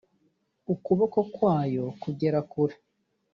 ukuboko kwayo kugera kure